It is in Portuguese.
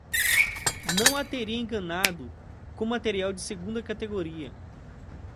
não a teria enganado com material de segunda categoria.